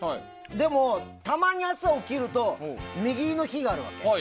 でも、たまに朝起きると右の日があるわけ。